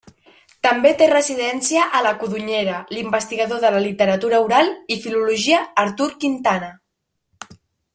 També té residència a la Codonyera l'investigador de la literatura oral i filologia Artur Quintana.